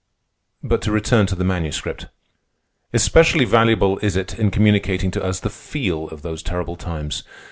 But to return to the Manuscript. Especially valuable is it in communicating to us the feel of those terrible times.